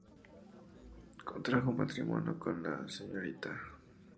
Contrajo matrimonio con la Srta.